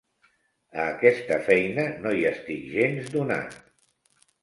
A aquesta feina no hi estic gens donat.